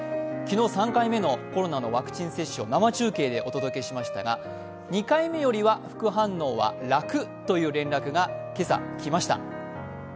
昨日３回目のコロナのワクチン接種を生中継でお届けしましたが２回目よりは副反応は楽という連絡が今朝来ました。